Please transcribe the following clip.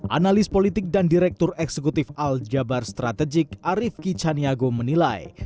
analis politik dan direktur eksekutif al jabar strategik arief kicaniago menilai